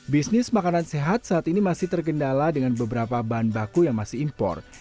bisnis makanan sehat saat ini masih tergendala dengan beberapa bahan baku yang masih impor